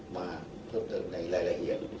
มาเพิ่มเติมในหลายเหยียม